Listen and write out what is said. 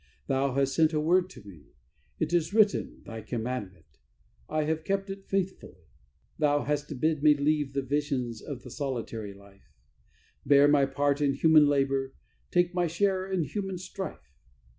Thou hast sent a word to me; It is written Thy commandment I have kept it faithfully. "Thou hast bid me leave the visions of the solitary life, Bear my part in human labour, take my share in human strife.